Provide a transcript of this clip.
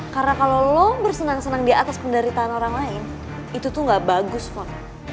karena kalau lo bersenang senang di atas penderitaan orang lain itu tuh nggak bagus fon